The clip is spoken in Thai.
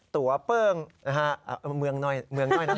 ถ้าเป็นตัวเปิ้งมืองน้อยนะ